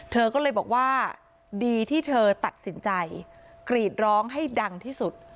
เธอก็เลยบอกว่าดีที่เธอตัดสินใจกรีดร้องให้ดังที่สุด